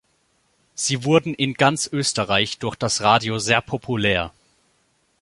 Sie wurden in ganz Österreich durch das Radio sehr populär.